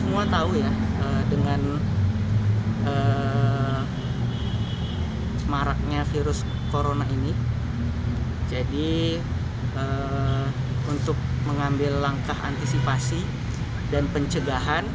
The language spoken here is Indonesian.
untuk mengambil langkah antisipasi dan pencegahan